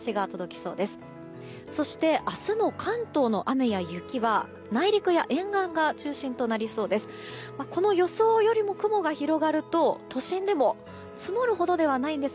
そして明日の関東の雨や雪は内陸や沿岸が中心となりそうです。